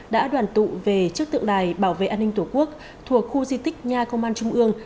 đã đoàn tụ về trước tượng đài bảo vệ an ninh tổ quốc thuộc khu di tích nhà công an trung ương